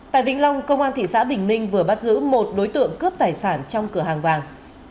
tại vĩnh long công an thị xã bình minh vừa bắt giữ một đối tượng cướp tài sản trong cửa hàng vàng